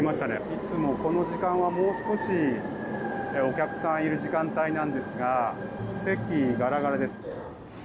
いつもこの時間はもう少しお客さんがいる時間帯ですが席、ガラガラです。